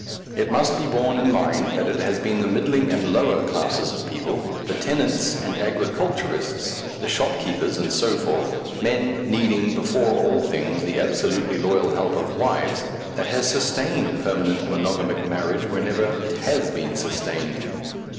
It must be borne in mind that it has been the middling and lower mass of people, the tenants and agriculturists, the shopkeepers, and so forth, men needing before all things the absolutely loyal help of wives, that has sustained permanent monogamic marriage whenever it has been sustained.